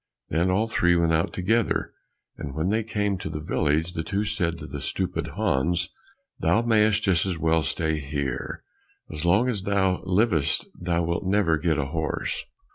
Then all three went out together, and when they came to the village, the two said to stupid Hans, "Thou mayst just as well stay here, as long as thou livest thou wilt never get a horse."